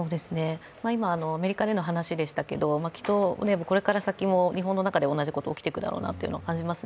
今、アメリカでの話でしたけど、きっとこれから先も日本の中で同じことが起きていくだろうなっていうことは感じます。